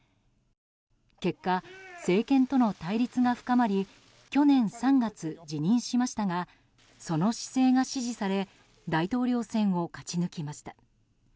結果、政権との対立が深まり去年３月、辞任しましたがその姿勢が支持され大統領選を勝ち抜きました。